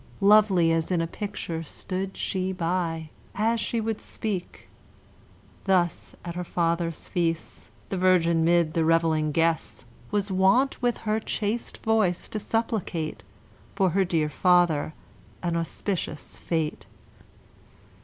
Lovely as in a picture stood she by As she would speak. Thus at her father's feasts The virgin, 'mid the reveling guests, Was wont with her chaste voice to supplicate For her dear father an auspicious fate.